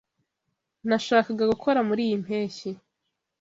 Nashakaga gukora muriyi mpeshyi.